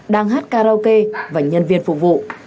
đang hát karaoke và nhân viên phục vụ